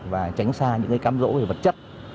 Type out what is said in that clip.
và tránh xa những cam rỗ về vật chất